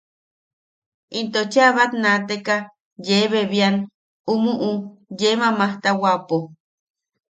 Into cheʼa bat naateka yee bebian umuʼu yee majmajtawapo.